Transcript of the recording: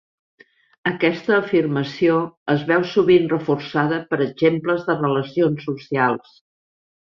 Aquesta afirmació es veu sovint reforçada per exemples de relacions socials.